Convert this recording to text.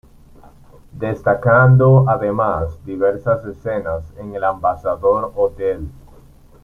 Destacando además diversas escenas en el Ambassador Hotel.